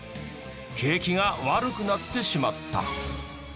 景気が悪くなってしまった。